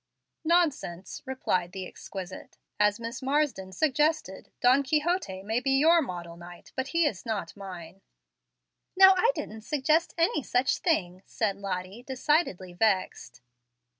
"Nonsense!" replied the exquisite. "As Miss Marsden suggested, Don Quixote may be your model knight, but he is not mine." "Now I didn't suggest any such thing," said Lottie, decidedly vexed.